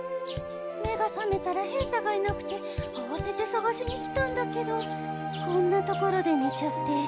目がさめたら平太がいなくてあわててさがしに来たんだけどこんな所でねちゃって。